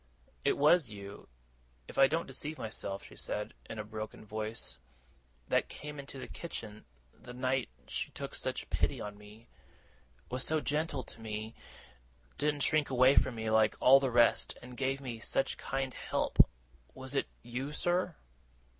'It was you, if I don't deceive myself,' she said, in a broken voice, 'that came into the kitchen, the night she took such pity on me; was so gentle to me; didn't shrink away from me like all the rest, and gave me such kind help! Was it you, sir?